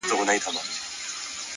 هره ناکامي پټ درس لري.!